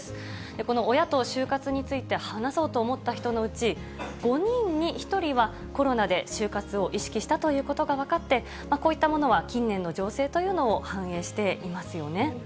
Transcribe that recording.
この親と終活について話そうと思った人のうち、５人に１人はコロナで終活を意識したということが分かって、こういったものは近年の情勢というのを反映していますよね。